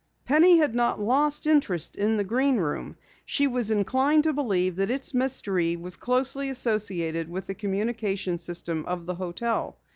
Penny had not lost interest in the Green Room. She was inclined to believe that its mystery was closely associated with the communication system of the hotel.